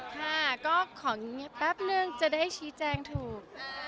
ค่ะก็ขอแป๊บเรื่องจะได้ชี้แจงถูก